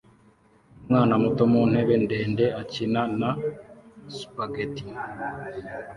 Umwana muto mu ntebe ndende akina na spaghetti